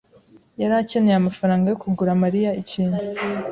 yari akeneye amafaranga yo kugura Mariya ikintu.